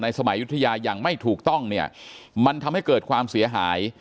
สมัยยุธยาอย่างไม่ถูกต้องเนี่ยมันทำให้เกิดความเสียหาย